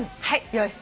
はい。